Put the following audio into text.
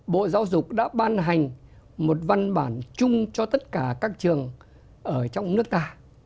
bộ giáo dục đã ban hành một văn bản chung cho tất cả các trường ở trong nước ta